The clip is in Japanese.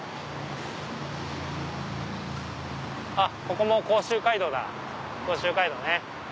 ここもう甲州街道だ甲州街道ね。